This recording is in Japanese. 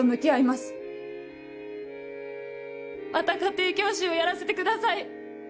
また家庭教師をやらせてください。